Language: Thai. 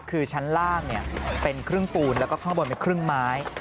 คือชั้นล่างเป็นครึ่งปูนแล้วก็ข้างบนเป็นครึ่งไม้